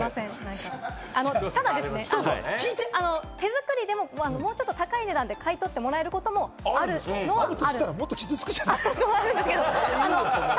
ただ手づくりでももうちょっと高い値段で買い取ってもらえることもあることはある。